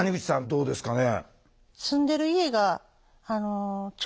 どうですかね？